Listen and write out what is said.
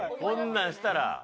こんなんしたら。